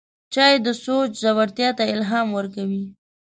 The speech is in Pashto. چای د سوچ ژورتیا ته الهام ورکوي